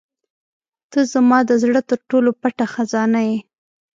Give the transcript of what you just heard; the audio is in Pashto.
• ته زما د زړه تر ټولو پټه خزانه یې.